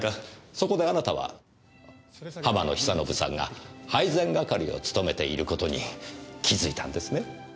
そこであなたは浜野久信さんが配膳係を務めている事に気づいたんですね。